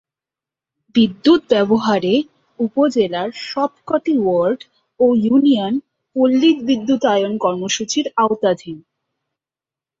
বিদ্যুৎ ব্যবহার এ উপজেলার সবক’টি ওয়ার্ড ও ইউনিয়ন পল্লিবিদ্যুতায়ন কর্মসূচির আওতাধীন।